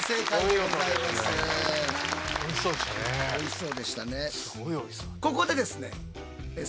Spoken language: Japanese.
すごいおいしそう。